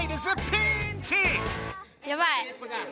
ピーンチ！